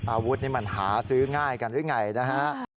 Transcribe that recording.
อาวุธนี่มันหาซื้อง่ายกันหรือไงนะฮะ